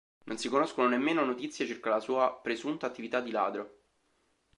Non si conoscono nemmeno notizie circa la sua presunta attività di ladro.